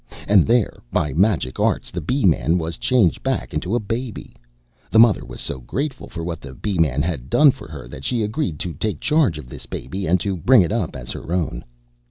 And there by magic arts the Bee man was changed back into a baby. The mother was so grateful for what the Bee man had done for her that she agreed to take charge of this baby, and to bring it up as her own.